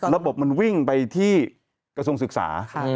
ระบบมันวิ่งไปที่กระทรวงศึกษา